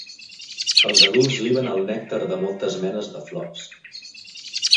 Els adults liben el nèctar de moltes menes de flors.